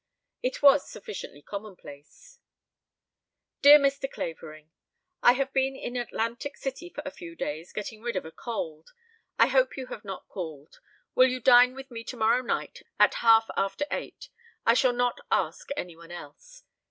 It was sufficiently commonplace. "Dear Mr. Clavering: "I have been in Atlantic City for a few days getting rid of a cold. I hope you have not called. Will you dine with me tomorrow night at half after eight? I shall not ask any one else.